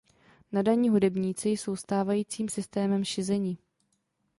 Nadaní hudebníci jsou stávajícím systémem šizeni.